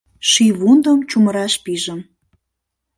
Шийвундым чумыраш пижым.